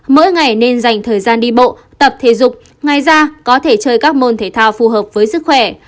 mỗi ngày nên dành thời gian đi bộ tập thể dục ngoài ra có thể chơi các môn thể thao phù hợp với sức khỏe